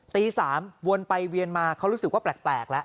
ตี๓วนไปเวียนมาเขารู้สึกว่าแปลกแล้ว